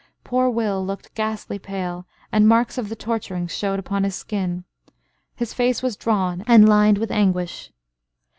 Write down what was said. Poor Will looked ghastly pale, and marks of the torturings showed upon his skin. His face was drawn and lined with anguish.